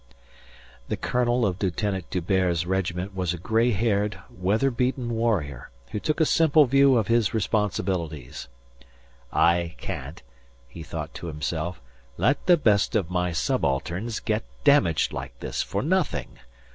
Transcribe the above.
The colonel of Lieutenant D'Hubert's regiment was a gray haired, weather beaten warrior who took a simple view of his responsibilities. "I can't" he thought to himself "let the best of my subalterns get damaged like this for nothing.